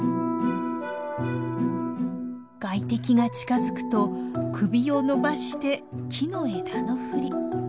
外敵が近づくと首を伸ばして木の枝のふり。